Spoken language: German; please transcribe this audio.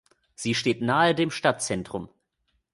Sie steht nahe dem Stadtzentrum.